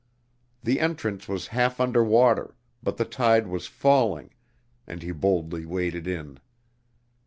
The entrance was half under water, but the tide was falling, and he boldly waded in.